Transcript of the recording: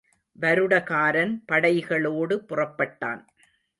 வருடகாரன் படைகளோடு புறப்பட்டான்.